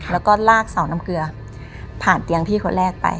แล้วก็ลากเสาน้ำเกลือผ่านเตียงพี่คนแรกไป